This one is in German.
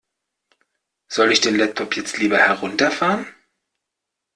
Soll ich den Laptop jetzt lieber herunterfahren?